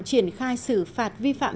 triển khai xử phạt vi phạm